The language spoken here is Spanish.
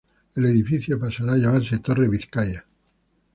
El edificio pasará a llamarse "Torre Bizkaia".